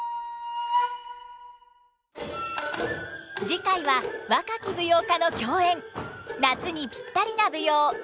次回は若き舞踊家の競演夏にぴったりな舞踊「二人三番叟」です。